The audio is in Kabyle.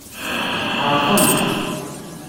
Tɛerḍemt.